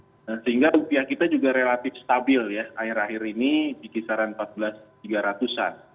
dan sehingga rupiah kita juga relatif stabil ya akhir akhir ini di kisaran empat belas tiga ratus an